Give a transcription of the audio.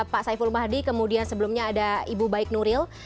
pak saiful mahdi kemudian sebelumnya ada ibu baik nuril